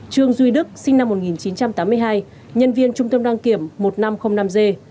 trương duy đức sinh năm một nghìn chín trăm tám mươi hai nhân viên trung tâm đăng kiểm một nghìn năm trăm linh năm g